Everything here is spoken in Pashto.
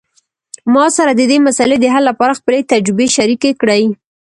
ما سره د دې مسئلې د حل لپاره خپلې تجربې شریکي کړئ